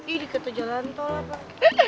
ini kata jalan tolat lah